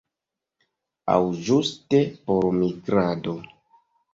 Aŭ ĝuste por migrado.